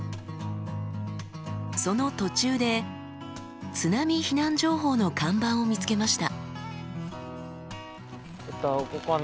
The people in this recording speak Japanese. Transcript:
その途中で津波避難情報の看板を見つけました。